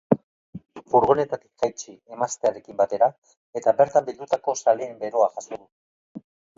Furgonetatik jaitsi, emaztearekin batera, eta bertan bildutako zaleen beroa jaso du.